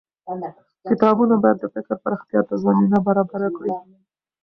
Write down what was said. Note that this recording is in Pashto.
کتابونه بايد د فکر پراختيا ته زمينه برابره کړي.